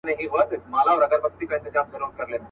په امان به سي کورونه د پردیو له سپاهیانو.